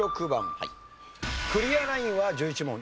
クリアラインは１１問。